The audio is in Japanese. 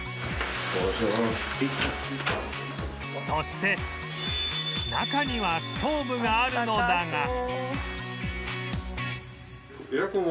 そして中にはストーブがあるのだが